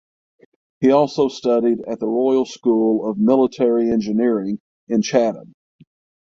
He also studied at the Royal School of Military Engineering in Chatham.